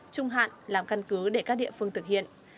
trung hạn làm căn cứ để các địa phương thực hiện